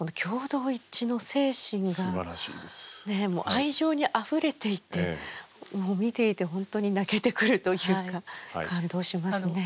愛情にあふれていて見ていて本当に泣けてくるというか感動しますね。